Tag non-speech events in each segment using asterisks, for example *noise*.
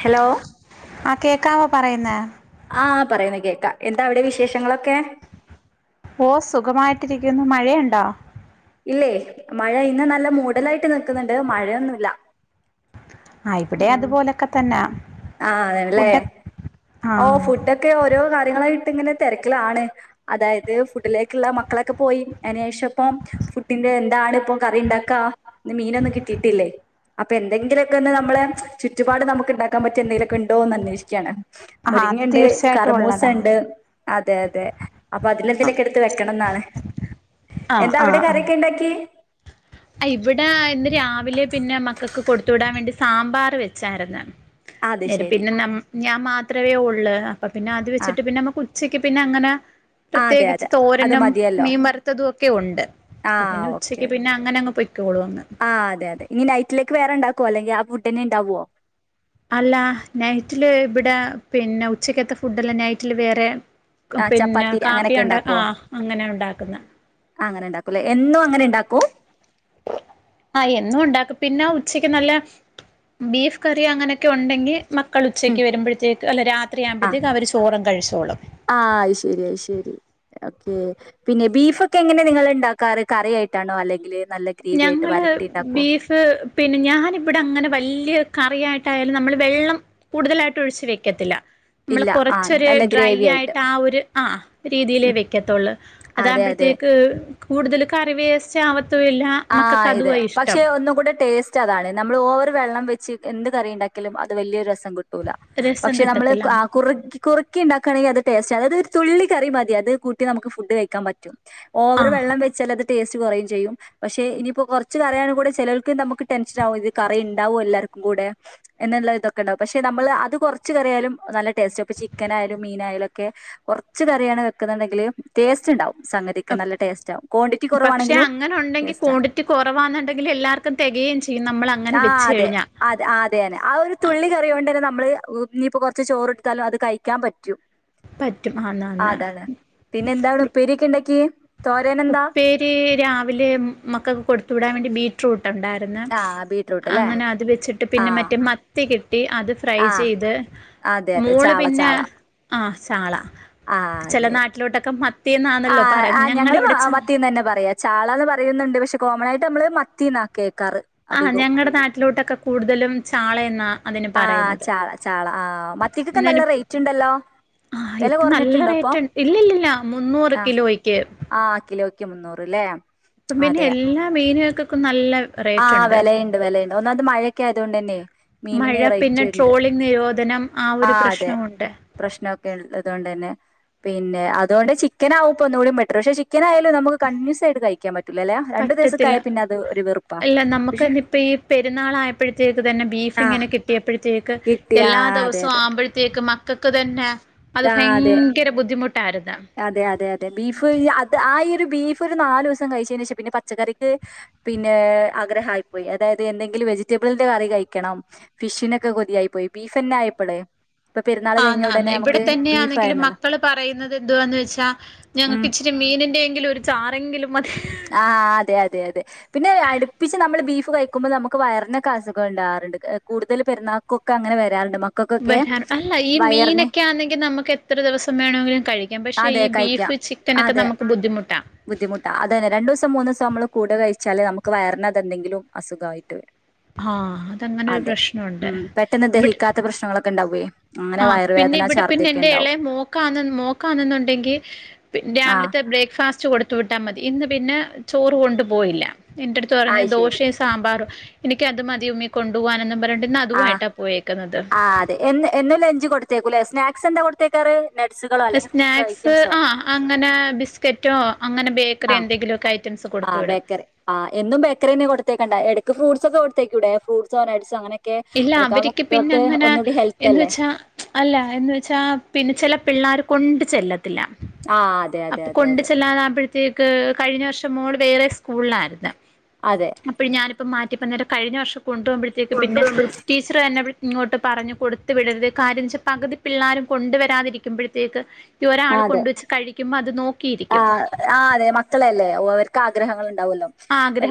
Hello ആഹ് കേക്കാവോ പറയുന്നെ ആഹ് പറയുന്നെ കേക്കാ എന്താ അവിടെ വിശേഷങ്ങളൊക്കെ ഓ സുഖമായിട്ടിരിക്കുന്നു മഴയുണ്ടാ ഇല്ലേ മഴ ഇന്ന് നല്ല മൂടലായിട്ട് നിൽക്കുന്നുണ്ട് മഴയൊന്നുവില്ല ആ ഇവിടെ ഉം അതുപോലൊക്കെ തന്നെ ആഹ് ആണല്ലേ ഫുഡ് ആ ഓ ഫുടൊക്കെ - ഒക്കെ ഓരോ കാര്യങ്ങളായിട്ട് ഇങ്ങനെ തെരക്കിലാണ് അതായത് ഫുഡിലേക്കുള്ള മക്കളൊക്കെ പോയി അയിന്ശേഷഇപ്പൊ ഫുഡിന്റെ എന്താണ് ഇപ്പൊ കറി ഉണ്ടാക്കാ ന്ന് മീനൊന്നും കിട്ടിയിട്ടില്ലേ അപ്പൊ എന്തെങ്കിലുക്കെ ഒന്ന് ന നമ്മള് ചുറ്റുപാട് നമുക്ക്ണ്ടാക്കാ പറ്റുന്ന എന്തേലൊക്കെ ഉണ്ടോന്ന് അന്വേഷിക്കയാണ് ആ അത് മുരിങ്ങയിണ്ട് തീർച്ചയായിട്ടും കറമൂസ ഉള്ളതാ ഉണ്ട് അതെ അതെ അപ്പൊ അതിലെന്തേലൊക്കെ എടുത്ത് വെക്കണം എന്നാണ് ആ എന്താ ആ അവിടെ ആ കറിയൊക്കെ എന്താക്കി ഇവിടെ ഇന്ന് രാവിലെ പിന്നെ മക്കക്ക് കൊടുത്ത് വിടാൻ വേണ്ടി സാമ്പാറ് വെച്ചായിരുന്ന് അത് ശരി. പിന്നെ ഞാൻ മാത്രമേ ഒള്ള് അപ്പൊ പിന്നെ അത് ആഹ് വെച്ചിട്ട് പിന്നെ നമ്മക്ക് ഉ ഉച്ചയ്ക്ക് പിന്നെ അങ്ങന ആഹ് അതെ അതെ പ്രത്യേകിച്ച് അത് തോരനും മതിയല്ലോ. മീൻ വറുത്തതും ഒക്കെ ഉണ്ട് അപ്പ ആഹ് പിന്നെ ഓക്കെ ഉച്ചക്ക് പിന്ന അങ്ങന അങ്ങ് പൊയ്ക്കോളൂ അങ്ങ് ആഹ് അതെതെ ഇനി നൈറ്റിലേക്ക് വേറെ ഉണ്ടാക്കുവൊ അല്ലെങ്കി ആ ഫുഡ്‌ തന്നെ ഉണ്ടാവുവോ അല്ല നൈറ്റില് ഇവിടെ പിന്നെ ഉച്ചക്കത്തെ ഫുഡ് അല്ല നൈറ്റില് വേറെയാ ആഹ് പിന്നെ ചപ്പാത്തി അങ്ങനെയൊക്കെ കാപ്പിയ ഉണ്ടാ ഉണ്ടാക്കുവോ? ആഹ് അങ്ങനെയാ ഉണ്ടാക്കുന്നെ ആഹ് അങ്ങനെ ഉണ്ടാക്കൂല്ലേ എന്നും അങ്ങനെണ്ടാക്കും ആഹ് എന്നും ഒണ്ടാക്കും പിന്നെ ഉച്ചക്ക് നല്ല ബീഫ് കറി അങ്ങനെയൊക്കെ ഉണ്ടെങ്കിൽ മക്കൾ ഉം ഉച്ചയ്ക്ക് വരുമ്പോഴത്തേക്ക് അല്ല രാത് ആഹ് രാത്രിയാകുമ്പഴത്തേക്ക് അവര് ചോറ് അങ്ങ് കഴിച്ചോളും ആഹ് അയ്ശെരി അയ്ശെരി ഓക്കെ പിന്നെ ബീഫ് ഒക്കെ എങ്ങനെ നിങ്ങൾ ഉണ്ടാക്കാറ് കറിയായിട്ടാണോ അല്ലെങ്കിൽ നല്ല ഗ്രേവി ആയിട്ട് ഞങ്ങള് വരട്ടി ഉണ്ടാക്കുവോ? ബീഫ് പിന്നെ ഞാനിവിടെ അങ്ങനെ വലിയ കറിയായിട്ടായാലും നമ്മള് വെള്ളം കൂടുതലായിട്ട് ഒഴിച്ചു വെക്കത്തില്ല നമ്മള് ഇല്ല ആഹ് കൊറച്ചൊരു നല്ല ഡ്രൈ ഗ്രേവി ആയിട്ട് ആഹ് ഒരു ആഹ് രീതിയിലെ ഉം വെക്കത്തൊള്ള് അതെ അതെ അതാകുമ്പൊഴത്തേക്ക് കൂടുതൽ കറി വേസ്റ്റ് ആവത്തുല്ല ആഹ് ഇതെ പക്ഷെ ഒന്ന് കൂടെ ടേസ്റ്റ് റ്റതാണ് നമ്മൾ ഓവർ വെള്ളം വെച്ച് എന്ത് കറി ഉണ്ടാക്കിയാലും അത് വലിയൊരു രസം കിട്ട കിട്ടുല്ല രസം പക്ഷെ നമ്മള് കിട്ടത്തില്ല ആഹ് കുറു കുറുക്കിയിണ്ടാക്കാണെങ്കി അത് ടേസ്റ്റ് അതായത് തുള്ളി കറി മതി അത് കൂട്ടി നമുക്ക് ഫുഡ് കഴിക്കാൻ പറ്റും. ആ ഓവർ വെള്ളം വെച്ചാൽ അത് ടേസ്റ്റ് കുറെയെം ചെയ്യും പക്ഷെ ഇനിയിപ്പോ കുറച്ച് കറിയാണ് കൂടെ ചിലവർക്ക് നമുക്ക് ടെൻഷൻ ആകും ഇത് കറിയുണ്ടാവുവോ എല്ലാവർക്കും കൂടെ എന്നുള്ള ഇതൊക്കെ ഉണ്ടാവും പക്ഷെ നമ്മള് അത് കുറച്ച് കറിയാലും നല്ല ടേസ്റ്റയിപ്പ ചിക്കനയാലും മീനയാലുക്കെ കുറച്ച് കറിയാണ് വെക്കുന്നുണ്ടെങ്കില് ടേസ്റ്റ് ഉണ്ടാവും സംഗതിക്ക് നല്ല ടേസ്റ്റ് ആകും ക്വാണ്ടിറ്റി പക്ഷെ കുറവാണെങ്കിലും അങ്ങനെ ഉണ്ടെങ്കിൽ ടേസ്റ്റ് ആണ് ക്വാണ്ടിറ്റി കുറവാന്നുണ്ടെങ്കിൽ എല്ലാർക്കും തികയും ചെയ്യും നമ്മൾ അങ്ങനെ വെച്ച് കഴിഞ്ഞാ അതെന്നെ ആഹ് ഒരു തുള്ളി കറി കൊണ്ട് തന്നെ നമ്മള് ഇനിയിപ്പോ കൊറച്ച് ചോറെടുത്താലും അത് കഴിക്കാൻ പറ്റും പറ്റും ആഹ് ആന്നന്ന് അതാണ് പിന്നെ എന്താവിടെ ഉപ്പേരി ഒക്കെ ഉണ്ടാക്കി ഉപ്പേരി രാവിലെ മക്കൾക്ക് കൊടുത്തു വിടാൻ വേണ്ടി ബീ റൂട്ട് ഉണ്ടായിരുന്നു ആഹ് ബീറ്റ്റൂട്ട് അല്ലേ അങ്ങനെ അത് വെച്ചിട്ട് പിന്നെ ആഹ് മറ്റേ മത്തി കിട്ടി അത് ഫ്രൈ ആഹ് ചെയ്ത് അതെ അതെ മോള് ചാള പിന്നെ ചാള ആ ചാള ആഹ് ചെല അതെ നാട്ടിലോട്ടൊക്കെ മത്തിന്നാണല്ലോ ആഹ് പറയ ആഹ് ഞങ്ങള് മത്തീന്ന് തന്നെ പറയാ ചാള എന്ന് പറയുന്നുണ്ട് പക്ഷെ കോമൺ ആയിട്ട് നമ്മള് മത്തീന്ന കേക്കാറ് ആഹ് അധികവും ഞങ്ങടെ നാട്ടിലോട്ടൊക്കെ കൂടുതലും ചാളെ എന്നാ അതിന് ആ പറയുന്നത് ചാള ചാള ആ മത്തിക്കൊക്കെ നല്ല റേറ്റ് ഉണ്ടല്ലോ ആഹ് വില ഇപ്പ നല്ല കുറഞ്ഞിട്ടുണ്ടോ ഇപ്പൊ റേറ്റ് ഇല്ല ഇല്ല ഇല്ല മുന്നൂറ് കിലോയ്ക്ക് ആ കിലോയ്ക്ക് മുന്നൂറ്ല്ലേ ഇപ്പം പിന്നെ എല്ലാ മീനുകൾക്കക്കും നല്ല ആ റേറ്റുണ്ട് വിലയുണ്ട് വിലയുണ്ട് ഒന്നാമത് മഴയൊക്കെ ആയതൊണ്ട് തന്നെ മഴ മീനിന് പിന്നെ റേറ്റ് ഉണ്ട് ട്രോളിംഗ് നിരോധനം ആ ഒരു ആഹ് അതെ പ്രശ്നമുണ്ട്. പ്രശ്നമൊക്കെ ഉള്ളതുകൊണ്ട് തന്നെ പിന്നെ അതുകൊണ്ട് ചിക്കനാവും ഇപ്പം ഒന്നും കൂടി ബെറ്ററ് പക്ഷെ ചി ചിക്കൻ ആയാൽ നമുക്ക് കണ്ടിന്യൂസ് ആയിട്ട് കഴിക്കാൻ പറ്റുല്ലല്ലേ രണ്ട് ദിവസൊക്കെ പറ്റത്തില്ല ആയ പിന്നെ അത് ഒരു വെറുപ്പാ അല്ല നമുക്ക് പക്ഷെ തന്നെ ഇപ്പം ഈ പെരുന്നാൾ ആയപ്പോഴത്തേക്ക് തന്നെ ബീഫ് ആഹ് ഇങ്ങനെ കിട്ടിയപ്പോഴത്തേക്ക് കിട്ടി എല്ലാ ആഹ് അതെ ദിവസവും അതെ ആവുമ്പോഴത്തേക്കും മക്കൾക്ക് തന്നെ അത് ആഹ് അതെ ഭയങ്കര ബുദ്ധിമുട്ടായിരുന്നു. അതെ അതെ അതെ ബീഫ് അത് ആ ഈ ഒരു ബീഫ് ഒരു നാല് ദിവസം കഴിച്ചതിന് ശേഷം പിന്നെ പച്ചക്കറിക്ക് പിന്നെ ആഗ്രഹായിപ്പോയി അതായത് എന്തെങ്കിലും വെജിറ്റബിളിന്റെ കറി കഴിക്കണം ഫിഷിനൊക്കെ കൊതിയായി പോയി ബീഫന്നെ ആയപ്പോളേ ഇപ്പ പെരുന്നാൾ ആന്ന് കഴിഞ്ഞ ആന്ന് ഉടനെ ഇവിടെ നമുക്ക് ബീഫ് തന്നെയാണെങ്കിലും ആയിരുന്നല്ലോ മക്കള് പറയുന്നത് എന്തോ വന്ന് വെച്ചാൽ ഞങ്ങക്ക് ഉം ഇച്ചിരി മീനിന്റെ എങ്കിലും ഒരു ചാറെങ്കിലും മതി ആഹ് അതെ അതെ അതെ പിന്നെ അടുപ്പിച്ച് നമ്മൾ ബീഫ് കഴിക്കുമ്പോ നമുക്ക് വയറിനൊക്കെ അസുഖം ഉണ്ടാവാറുണ്ട് കൂടുതൽ പെരുന്നാ കുക്ക് അങ്ങനെ വരാറുണ്ട് മക്കൾക്കൊക്കെ *unintelligible* അല്ല ഈ വയറിന് മീനൊക്കെ ആണെങ്കി നമുക്ക് എത്ര ദിവസം വേണമെങ്കിലും കഴിക്കാം പക്ഷെ അതെ ഈ ബീഫ് ചി ക്കനൊക്കെ നമുക്ക് ബുദ്ധിമുട്ടാ ബുദ്ധിമുട്ട അതന്നെ രണ്ടൂസം മൂന്നിസം നമ്മള് കൂടുതൽ കഴിച്ചാല് നമുക്ക് വയറിനകത്ത് എതെങ്കിലും അസുഖായിട്ട് വരും. ആഹ് അതങ്ങനൊരു അതെ പ്രശ്നമുണ്ട് ഉം പെട്ടെന്ന് ദഹിക്കാത്ത പ്രശ്നങ്ങളൊക്കെ ഉണ്ടാകുവേ ആ പിന്നെ ഇവിടെ പിന്നെ എന്റെ ഇളയെ മോക്കാന്ന് മോക്കാന്നെന്നുണ്ടെങ്കി പി ആഹ് രാവിലത്തെ ബ്രേക്ക്ഫാസ്റ്റ് കൊടു ത്തു വിട്ടാൽ മതി ഇന്ന് പിന്നെ ചോറ് കൊണ്ടുപോയില്ല ഇന്റെ അടുത്ത് പറഞ്ഞ് അയ് ശരി ദോശയും സാമ്പാറും എനിക്ക് അത് മതി ഉമ്മീ കൊണ്ടു പോകാനെന്നും പറഞ്ഞിട്ട് ഇന്ന് ആഹ് അതുമായിട്ടാ പോയേക്കുന്നത് ആഹ് എന്ന് എന്നും ലഞ്ച് കൊടുത്തേക്കൂല്ലേ സ്നാക്സ് എന്താ കൊടുത്തേക്കാറ് നട്ട്സുകളോ അല്ലെങ്കിൽ ഫ്രൂട്സോ സ്നാക്സ് ഐറ്റംസോ ആഹ് അങ്ങനെ ബിസ്ക്കറ്റോ അങ്ങനെ ബേക്കറിയോ എന്തെങ്കിലുമൊക്കെ ഐറ്റംസ് കൊടുത്തു വിടും ആ എന്നും ബക്കറി തന്നെ കൊടുത്തേക്കണ്ട എടക്ക് ഫ്രൂട്സൊക്കെ കൊത്തേക്കൂടെ ഫ്രൂട്സോ നട്സോ അങ്ങനെയൊക്കെ ഇല്ല അതൊക്കെ ആവുമ്പോ അവരിക്ക് പിന്നെ കുട്ടികൾക്ക് അങ്ങനെ ഒന്നുകൂടി ഹെൽത്ത് എന്ത് അല്ലേ വെച്ചാ അല്ല എന്ന് വെച്ചാ പിന്നെ ചില പിള്ളേർ കൊണ്ട് ചെല്ലത്തില്ല ആഹ് അതെ അതെ അപ്പൊ അതെ കൊണ്ട് അതെ ചെല്ലാതാകുമ്പോഴത്തേക്ക് കഴിഞ്ഞ വർഷം മോള് വേറെ സ്കൂളിലായിരുന്നു അതെ അപ്പോ ഞാനിപ്പം മാറ്റിപ്പന്നരം കഴിഞ്ഞ വർഷം കൊണ്ട പോകുമ്പഴത്തേക്ക് പിന്നെ ടി ച്ചർ തന്നെ ഇങ്ങോട്ട് പറഞ്ഞു കൊടുത്തു വിടരുത് കാര്യം ന്ന് വെച്ചാൽ പകുതി പിള്ളേരും കൊണ്ടുവരാതിരിക്കുമ്പോഴത്തേക്ക് ഒരാൾ അതെ കൊണ്ട് വച്ച് കഴിക്കുമ്പോ അത് നോക്കിയിരിക്കും ആഹ് ആഹ് അതെ മക്കളെല്ലേ ഓ അവർക്ക് ആഗ്രഹങ്ങൾ ഉണ്ടാവല്ലോ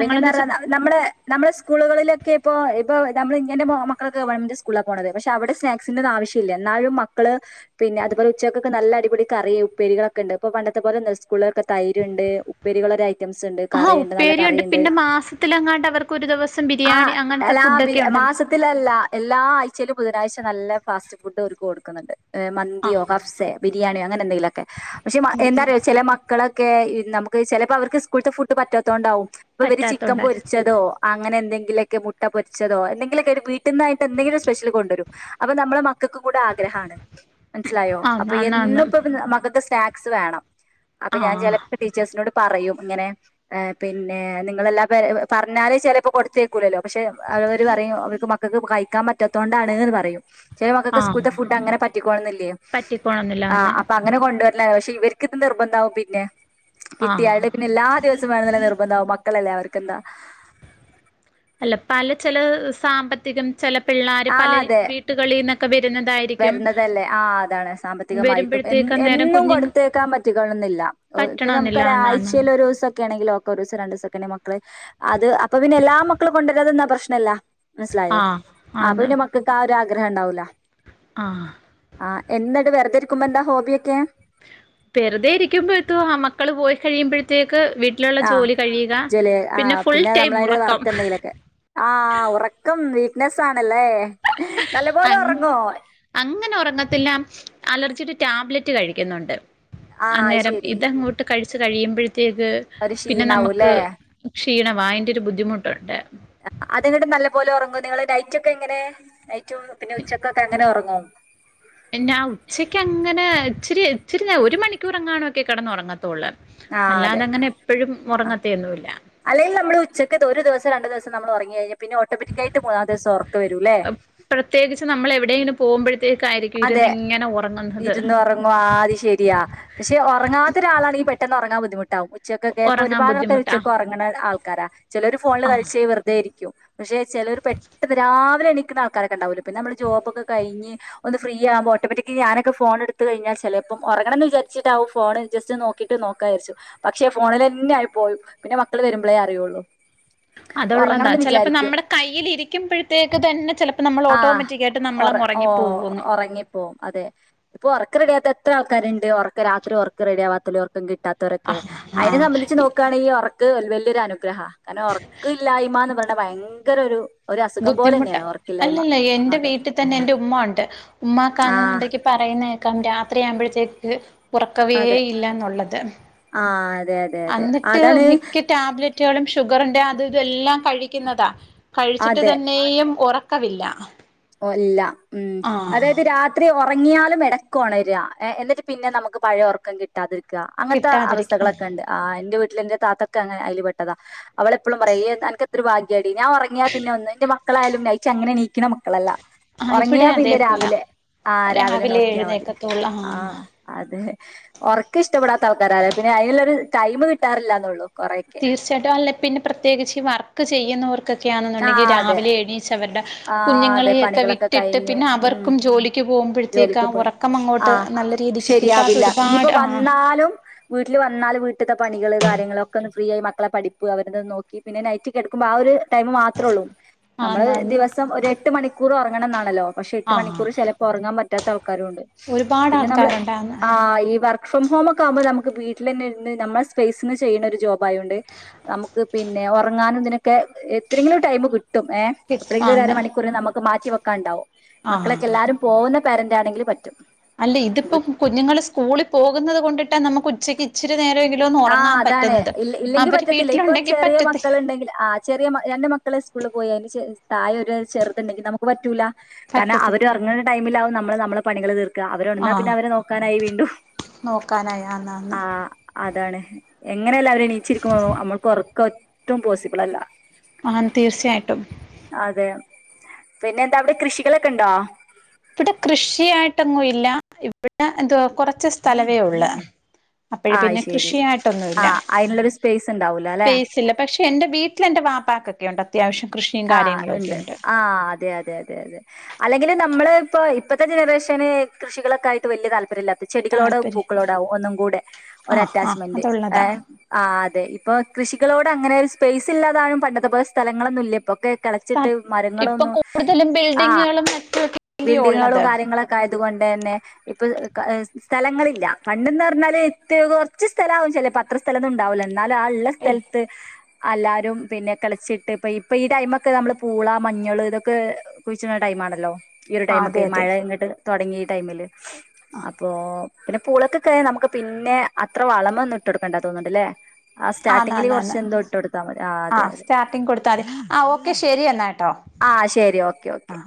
പിന്നെന്താ വെച്ചാ പറയാനാ നമ്മളെ നമ്മളെ സ്കൂളുകളിലൊക്കെ ഇപ്പോ ഇപ്പോ നമ്മൾ ഇങ്ങനെ മക്കള്ക്ക് സ്കൂളാ പോണത് പക്ഷെ അവിടെ സ്നാക്സിന്റെ ഒന്നും ആവശ്യല്ല എന്നാലും മക്കള് പിന്നെ അതുപോലെ ഉച്ചക്കൊക്കെ നല്ല അടിപൊടി കറിയും ഉപ്പേരിളൊക്കെ ഉണ്ട് ഇപ്പോ നല്ല പണ്ട അത്പോലെ സ്കൂള്ലൊക്കെ തൈര്ണ്ട് ഉപ്പരികള് ഒരു അ ഐറ്റംസ്ണ്ട് ആഹ് കറിണ്ട് നല്ല ഉപ്പേരിയുണ്ട് കറിണ്ട് പിന്നെ മാസത്തിലെങ്ങാണ്ട് അവർക്ക് ഒരു ദിവസം ആ ബിരിയാണി അങ്ങനത്തെ ഫുഡൊക്കെ ലാവിലെ മാസത്തി ഉണ്ടല്ലോ മാസത്തിലല്ല എല്ലാ ആഴ്ചയിലും ബുധനാഴ്ച നല്ല ഫാസ്റ്റ് ഫുഡ് ഓർക്ക് കൊടുക്കുന്നുണ്ട് മന്തിയോ ആഹ് കപ്പ്സെ ബിരിയാണിയോ അങ്ങനെ എന്തെങ്കിലുമൊക്കെ പക്ഷെ എന്താ അറിയോ ചില മന്തി മക്കളൊക്കെ നമുക്ക് ചിലപ്പോ അവർക്ക് സ്കൂളത്തെ ഫുഡ് പറ്റാത്തത കൊണ്ടാവും ഇപ്പൊ ഇവര് ചിക്കൻ പറ്റാത്തോണ്ടായിരുന്നു പൊരിച്ചതോ അങ്ങനെ എന്തെങ്കിലൊക്കെ മുട്ട പൊരിച്ചതോ എന്തെക്കിലുമൊക്കെ ഒരു വീട്ട നിന്നായിട്ട് എന്തെിലും ഒരു സ്പെഷിൽ കൊണ്ടുവരും അപ്പൊ നമ്മളെ മക്കൾക്ക് കൂടെ ആഗ്രഹമാണ് മനസ്സിലായോ ആന്ന് അപ്പൊ ആന്ന് ആന്ന് എന്നുംഇപ്പൊ മകൾക്ക് സ്നാക്സ് വേണം അപ്പൊ ഞാൻ ആഹ് ചിലപ്പോ ടീച്ചേഴ്സിനോട് പറയും ഇങ്ങനെ പിന്നെ നിങ്ങളെല്ലാം പറഞ്ഞാല് ചിലപ്പോ കൊടുത്ത അയക്കു അയയ്കൂലല്ലോ പക്ഷെ അവര് പറയും അവർക്ക് മക്കൾക്ക് കഴിക്കാൻ പറ്റാത്ത കൊണ്ടാണ്ന്ന് പറയും ചില മക്കൊക്കെ ആഹ് സ്കൂൾത്തെ ഫുഡ് അങ്ങനെ പറ്റികോണംന്നില്ലേ പറ്റിക്കോളന്നില്ല ആ ആന്ന് അപ്പൊ അങ്ങനെ കൊണ്ടുവരാൻ പക്ഷെ ഇവർക്ക് ഇത് നിർബന്ധമാവും പിന്നെ കിട്ടിയാൽ ആഹ് പിന്നെ എല്ലാ ദിവസവും വേണം നിർബന്ധമാവും മക്കളല്ലേ അവർക്ക് എന്താ അല്ല പല ചില സാമ്പത്തികം ചില പിള്ളേർ ആഹ് പല അതെ വീട്ടുകളിൽ നിന്നൊക്കെ വരുന്നതായി വരുന്നതല്ലേ ആ അതാണ് സാമ്പത്തികമായിട്ടും വരുമ്പോഴത്തേക്ക് അന്നേരം എന്നും കുഞ്ഞുങ്ങ കൊടുത്തഅയക്കാൻ പറ്റിക്കോണം എന്നില്ല ഓ ഇത് നമുക്ക് പറ്റണമെന്നില്ല ആന്നാന്ന് ഒരാഴ്ചൽ ഒരു ദിവസം ആണെക്കി ഒക്കെ ഒരു ദിവസം രണ്ട് ദിവസം ആണെങ്കിൽ മക്കള് അത് അപ്പൊ പിന്നെ എല്ലാ മക്കളും കൊണ്ടുവരാതിരുന്നാൽ പ്രശ്നല്ല മനസ്സിലായോ ആഹ് അപ്പൊ പിന്നെ മക്കൾക്ക് ആ ഒരു ആഗ്രഹം ഉണ്ടാവൂല്ല ആഹ ആ് എന്നിട്ട് വെറുതെ ഇരിക്കുമ്പോ എന്താ ഹോബിയൊക്കെ വെറുതെ ഇരിക്കുമ്പോഴെത്തും ആൺ മക്കള് പോയി കഴിയുമ്പോഴത്തേക്ക് വീട്ടിലുള്ള ആ ജോലി കഴിയുക ജല ആ പിന്നെ ഫുൾ ടൈം ഉറക്കം ആഹ ഉറക്കം വീക്ക് നെസ്സ ആണല്ലേ നല്ലപോലെ അങ്ങ് ഉറങ്ങോ അങ്ങനെ ഉറങ്ങത്തില്ലാം അലർജിയുടെ ഒരു ടാബ്ലറ്റ് കഴിക്കുന്നുണ്ട് ആ അന്നേരം ശരി ഇതങ്ങോട്ട് കഴിച്ചു കഴിയുമ്പോഴത്തേക്ക് ഒരു പിന്നെ നമ്മുക്ക് ക്ഷീണാവൂല്ലേ ക്ഷീണമാ അതിന്റെ ഒരു ബുദ്ധിമുട്ടുണ്ട് അത്ങ്ങട്ട് നല്ലപോലെ ഉറങ്ങോ നിങ്ങള് നൈറ്റൊക്കെ എങ്ങനെ നൈറ്റും പിന്നെ ഉച്ചക്കൊക്കെ അങ്ങനെ ഉറങ്ങോ ഉം ഞാൻ ഉച്ചയ്ക്ക് അങ്ങനെ ഇച്ചിരിച്ചിരി ഒരു മണിക്കൂർങ്ങാന്നൊക്കെ കിടന്ന് ഉറങ്ങതൊള്ളു ആ അതെ അല്ലാതെ അങ്ങനെ എപ്പഴും ഉറങ്ങത്തയൊന്നുമില്ല അല്ലെക്കിലും നമ്മള് ഉച്ചക്ക് ഒരു ദിവസം രണ്ട ദിവസം നമ്മൾ ഉറങ്ങി കഴിഞ്ഞാ പിന്നെ ഓട്ടോമാറ്റിക്കായിട്ട് മൂന്നാ ദിവസം ഉറക്കം വരൂല്ലേ പ്രത്യേകിച്ച് നമ്മൾ എവിടെയെങ്കിലും പോകുമ്പോഴത്തേക്ക ആയിരിക്കും ഇരുന്ന് ഇങ്ങനെ ഉറങ്ങുന്നത് ആഹ് അത് ശരിയാ പക്ഷെ ഉറങ്ങാത്ത ഒരാളാണെങ്കിൽ പെട്ടെന്ന് ഉറങ്ങാൻ ബുദ്ധിമുട്ടാവും ഉച്ചക്കൊക്ക ഇപ്പൊ ഉറങ്ങാൻ ബുദ്ധിമുട്ടാ ഒരുപാട് ഉറങ്ങണ ആൾക്കാരാ ചിലര് ഫോണിൽ ആഹ് കളിച്ച വെറുതെയിരിക്കും പക്ഷെ ചിലർ പെട്ടെന്ന് രാവിലെ എണിക്കുന്ന ആൾക്കാരൊക്കെ ഉണ്ടാവില്ലോ പിന്നെ നമ്മള് ജോബൊക്കെ കഴിഞ്ഞ് ഒന്ന് ഫ്രീ ആക്കുമ്പോൾ ഓട്ടോമാറ്റിക്കി ഞാനൊക്കെ ഫോൺ എടുത്ത് കഴിഞ്ഞാൽ ചിലപ്പോ ഉറങ്ങണംന്ന് വിചാരിചിട്ടാവും ഫോണ് ജസ്റ്റ് നോ ക്കിട്ട് നോക്കാരിച്ചു പക്ഷേ ഫോണിൽ തന്നെ ആയി പോയി പിന്നെ മക്കള് വരുമ്പോളേ അറിയുള്ളൂ അതുള്ളതാ ഉറങ്ങണംന്ന് ചിലപ്പോ വിചാരിക്കും നമ്മുടെ കൈയിൽരിക്കുമ്പഴത്തേക്ക് തന്നെ ചിലപ്പോ നമ്മൾ ഓട്ടോമാറ്റിക്കായിയിട്ട് നമ്മളോറങ്ങി ആഹ് ഉറങ്ങിപ്പോവും അതെ ഇപ്പൊ ഉറക്ക് റെഡിയാത്ത എത്ര ആൾക്കാരുണ്ട് ഉറക്ക രാത്രി ഉറക്ക റെഡിയവാത്തല്ല ഉർക്ക കിട്ട ആ കിട്ടാത്തവരൊക്കെ ആ അയിനെ സംബന്ധിച്ച് നോക്കയാണെ ഈ ഉറക്ക് വല്ലിയ ഒരു അനുഗ്രഹം കാരണം ഉറക്ക ഇല്ലായ്മന്ന് പറഞ്ഞ ഭയങ്കര ഒരു ഒരു അസുഖം ബുദ്ധിമുട്ട പോലെന്നെയാണ് ഉറക്കില്ലായ്മ അല്ലല്ല എന്റെ അതെ വീട്ടിൽ തന്നെ എന്റെ ഉമ്മണ്ട് ആഹ് ഉമ്മാക്കന്നുണ്ടെങ്കി പറയുന്നേക്കാം രാത്രിയാവുമ്പോഴത്തേക്ക് അതെ ഉറക്കവേയില്ല എന്നുള്ളത് ആഹ് അതെ അതെ അതെ അന്നിട്ട് അതാണ് മിക്ക ടാബ്ലറ്റുകളും ഷുഗർണ്ട് അത് ഇതെല്ലാം കഴിക്കുന്നതാ അത് കഴിച്ചിട്ട് തന്നെയുംഉറ ക്കവില്ല ഒല്ല ഉം അതായത് രാത് ത്രി ഉറങ്ങിയാലും ഇടക്ക് ഉണര എന്നിട്ട് പിന്നെ നമുക്ക് പഴയ ഉറക്കം കിട് ട്ടാതിരിക്ക അങ്ങൻത്തെ കിട്ടാതിരിക്കും അവസ്ഥകളൊക്കെണ്ട് ആഹ് എന്റെ വീട്ടിൽ ൻ്റെ താത്തൊക്കെ അങ്ങനെ അതിൽ പെട്ടതാ അവളെപ്പോഴും പറയും ഇയ് അനക്ക് എത്ര ഭാഗ്യാടി ഞാൻ ഉറങ്ങിയാ പിന്ന ഒന്ന് എന്റെ മക്കളായാലും നയിറ്റ് അങ്ങനെ എണീക്കണ മക് ക്കളല്ല ആ ഉറങ്ങിയാ ഇവിടെ പിന്നെ അതേപോലാ രാവിലെ ആഹ് രാവിലെ നോക്കിയാ മതി ആഹ് അതെ ഒറക്ക് ഇഷ്ടപ്പെടാത്ത ആൾക്കാരാരാ പിന്നെ അതിനുള്ളൊരു ടൈം കിട്ടാറില്ലാന്നള്ളൂ കൊറെ തീർച്ചയായിട്ടും അല്ല പിന്നെ പ്രത്യേകിച്ച് ഈ വർക്ക് ആ ചെയ്യുന്നവർക്കൊക്കെയാണെന്നുണ്ടെങ്കിൽ അതെ രാവിലെ എണീച്ചവരുടെ ആ അതെ കുഞ്ഞുങ്ങളെയൊക്കെ പണികളൊക്കെ വിട്ടിട്ട് കഴിഞ്ഞ് പിന്നെ ഉം അവർക്കും ജോലിക്ക് പോകുമ്പോഴത്തേക്കാ ജോലിക്ക് പോയി ഉറ ക്കം ആ അങ്ങോട്ട് നല്ല രീതിക്ക് കിട്ടാത്ത ഒരുപാട് ആഹ് വീട്ടില് വന്നാല് വീട്ടിലത്തെ പണികള് കാര്യങ്ങളൊക്കെ ഒന്ന് ഫ്രീ ആയി മക്കളെ പഠിപ്പു അവരതൊന്നു നോക്കി പിന്നെ നൈറ്റ് കെടക്കുമ്പോ ആ ഒരു ടൈമ് മാത് ത്രേള്ളൂ നമ്മള് ആന്നാന്ന് ദിവസം ഒരു എട്ട് മണിക്കൂർ ഉറങ്ങണംന്നാണല്ലോ പക്ഷെ എട്ട് ആഹ് മണിക്കൂർ ചെലപ് ഉറങ്ങാൻ പറ്റാത്ത ആൾക്കാരുണ്ട് ഒരുപാട് പിന്നെ നമ്മെ ആൾക്കാരുണ്ടാന്ന് ആഹ് ഈ വർ ഫ്രം ഹോമൊക്ക ആകുമ്പോ നമുക്ക് വീട്ടിൽ തന്നെ ഇരുന്ന് നമ്മള സ്പേസിൽന്ന് ചെയ്യുന്ന ഒരു ജോബായോണ്ട് നമുക്ക് പിന്നെ ഉറങ്ങാനും ഇതിനൊക്കെ എത്രെങ്കിലും ടൈമ് കിട്ടും ഏ കിട്ട് എവിടെങ്കിലും ആന്ന് ഒരരമണിക്കൂർ നമുക്ക് മാറ്റിവെക്കാണ്ടാവും മക്കളൊക്കെ ആഹ് എല്ലാരും പോകുന്ന പേരന്റ് ആണെങ്കിൽ പറ്റും അല്ല ഇതിപ്പോം കുഞ്ഞുങ്ങള് സ്കൂളിൽ പോകുന്നത് കൊണ്ടിട്ടാ നമുക്ക് ഉച്ചക്ക് ഇച്ചിരി നേരൊങ്കിലും ഒന്ന് ആഹ് ഉറങ്ങാൻ അതാണ് പറ്റുന്നത് അവര് വീട്ടിലുണ്ടെങ്കി പറ്റത്തില്ല. ണ്ടെങ്കിൽ ആജ് ചെറിയ രണ്ട് മക്കളെ സ്കൂളിൽ പോയി അതിന് തായ ഒരു ചെറുതുണ്ടെങ്കി നമുക് ക്ക് പറ്റൂല കാരണം പറ്റത്തില്ല അവര് ഉറങ്ങുന്ന ടൈമിലാവും നമ്മള് നമ്മളെ പണികള് തീർ ക്കാ അവര് ഉണർന്നാ പിന്നെ ആഹ് അവരെ നോക്കാനായി വീണ്ടും നോക്കാനായി ആന്ന് ആന്ന് ആഹ് അതാണ്. എങ്ങനെയല്ല അവര് എണീച്ചിരിക്കുമോ നമ്മൾക്ക് ഉറക്കം ഒട്ടും പോസിബിൾ അല്ല ആൻ തീർച്ചയായിട്ടും അതെ പിന്നെ എന്താ അവിടെ കൃഷികളൊക്കെ ഉണ്ടോ ഇവിടെ കൃഷിയായിട്ടൊങ്ങും ഇല്ല ഇവിടെ എന്തുവാ കുറച്ച് സ്ഥലവേ ഉള്ളെ അപ്പയെ ആഹ് പിന്നെ ശരി ആ കൃഷിയായിട്ടൊന്നുല്ല അതിനുള്ളൊരു സ്പേസ് ഉണ്ടാവൂല അല്ലെ സ്പേസില്ല പക്ഷെ എന്റെ വീട്ടിലെന്റെ വാപ്പാക്ക് കൃഷിയുണ്ട് അത്യാവ്യം കൃഷി ആഹ് ഇണ്ട് ആഹ് അതെ അതെ അതെ അതെ അല്ലെങ്കില് നമ്മള് ഇപ്പോ ഇപ്പോഴത്തെ ജനറേഷന് കൃഷികളൊക്ക ആയിട്ട് വല്ല്യ താല്പര്യല്ലാത്ത ചെടികളോടും താല്പര്യം പൂക്കളോടാവും ഒന്നും കൂടെ ആഹ് ആഹ് ഒരറ്റാച്ച്മെന്റ് അതുള്ളതാ ഏഹ് ആഹ് അതെ ഇപ്പൊ കൃഷികളോട് അങ്ങനെ ഒരു സ്പേസ് ഇല്ലാതായും പണ്ടത്തെ പോലെ സ്ഥലങ്ങളൊന്നും ഇല്ല ഇപ്പൊക്കെ സ്ഥൽ കിളച്ചിട്ട് ഇപ്പൊ മരങ്ങളൊന്നും കൂടുതലും ആഹ് *unintelligible* ബിൽഡിങ്ങുകളും ഉള്ളത് കാര്യങ്ങളൊക്കെ ആയതു കൊണ്ട് തന്നെ ഇപ്പൊ ക സ്ഥലങ്ങളില്ല പണ്ട്ന്ന് പറഞ്ഞാല് ഇത്തി കൊർച്ച് സ്ഥലം ആവും ചേലേപത്ര സ്ഥല ഒന്നുണ്ടാവൂല്ല എന്നാലാ ഉള്ള സ്ഥൽത്ത് എല്ലാരും പിന്നെ കിളച്ചിട്ട് ഇപ്പ ഇപ്പൊ ഈ ടൈമൊക്കെ നമ്മള് പൂള മഞ്ഞള് ഇതൊക്കെ. കുഴിച്ച്ണ ടൈംമാണല്ലോ ഈ ഒരു ആ അതെ ടൈമൊക്കെ അതെ മഴ എന്നിട്ട് തുടങ്ങി ഈ ടൈമില് അപ്പോ പിന്നെ പുളൊക്കൊക്കെ നമുക്ക് പിന്നെ അത്ര വളമൊന്നും ഇട്ട് കൊടുക്കേണ്ട തോന്നുന്നുണ്ട്ല്ലേ ആ ആന്ന് സ്റ്റാർട്ടിങ്ങില് ആന്ന് കുറച്ച് എന്തോ ഇട്ടൊടുത്താൽ മതി ആഹ് അതെ അതെ ട്ടങ് കൊടുത്താല് ആഹ് ഓക്കെ ശരി എന്നാട്ടോ ആഹ് ശരി ഓക്കെ ഓക്കെ